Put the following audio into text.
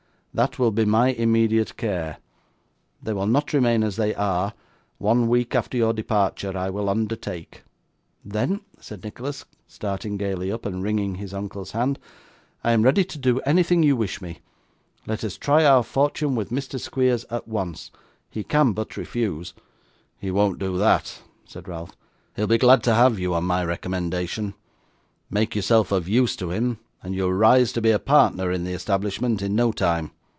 That will be my immediate care; they will not remain as they are, one week after your departure, I will undertake.' 'Then,' said Nicholas, starting gaily up, and wringing his uncle's hand, 'I am ready to do anything you wish me. Let us try our fortune with Mr Squeers at once; he can but refuse.' 'He won't do that,' said Ralph. 'He will be glad to have you on my recommendation. Make yourself of use to him, and you'll rise to be a partner in the establishment in no time.